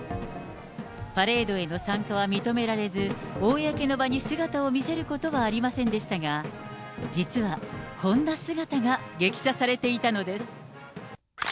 パレードへの参加は認められず、公の場に姿を見せることはありませんでしたが、実はこんな姿が激写されていたのです。